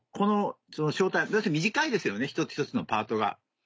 短いですよね一つ一つのパートが。